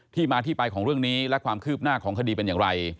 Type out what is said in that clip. มาที่ไปของเรื่องนี้และความคืบหน้าของคดีเป็นอย่างไร